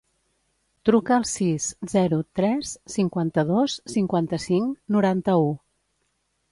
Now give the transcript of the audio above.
Truca al sis, zero, tres, cinquanta-dos, cinquanta-cinc, noranta-u.